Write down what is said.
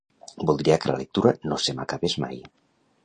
Voldria que la lectura no se m'acabés mai.